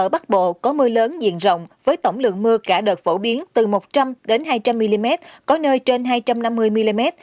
ở bắc bộ có mưa lớn diện rộng với tổng lượng mưa cả đợt phổ biến từ một trăm linh hai trăm linh mm có nơi trên hai trăm năm mươi mm